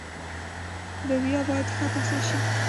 لوبیا باید ښه پخه شي.